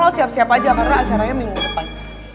oh siap siap aja karena acaranya minggu depan